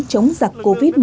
chống giặc covid một mươi chín